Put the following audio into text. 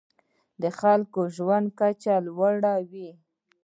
د خلکو د ژوند کچه لوړوي.